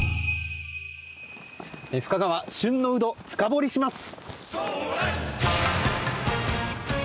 深川旬のウド深掘りします！